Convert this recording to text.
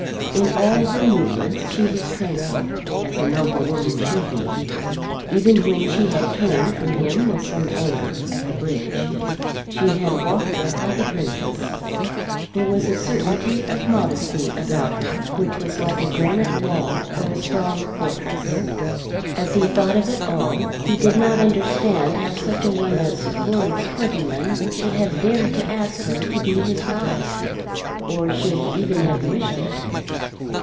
In all her movements she was tranquil, as a noble woman should be. Even when she had turned from him with some anger at the bridge, she had walked like a princess. There was a certainty of modesty about her which was like a granite wall or a strong fortress. As he thought of it all he did not understand how such a one as Lawrence Twentyman should have dared to ask her to be his wife, or should even have wished it.